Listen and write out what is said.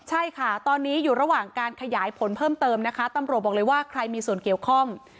ใช่ค่ะตอนนี้อยู่ระหว่างการขยายผลเพิ่มเติมนะคะตำรวจบอกเลยว่าใครมีส่วนเกี่ยวข้อง